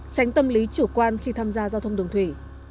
tránh tâm lý chủ quan khi tham gia giao thông đường thủy